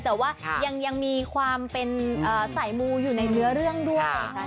แต่ว่ายังมีความเป็นสายมูอยู่ในเนื้อเรื่องด้วยนะคะ